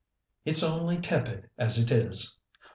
"It's only tepid as it is."